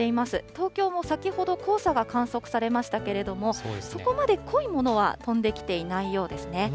東京も先ほど、黄砂が観測されましたけれども、そこまで濃いものは飛んできていないようですね。